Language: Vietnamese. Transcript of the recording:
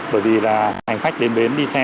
bởi vì là hành khách đến bến đi xe